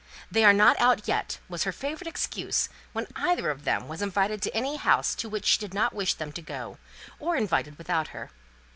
"They are not out yet," was her favourite excuse when either of them was invited to any house to which she did not wish them to go, or they were invited without her.